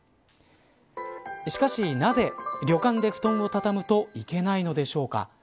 しかし、なぜ旅館で布団を畳むといけないのでしょうか。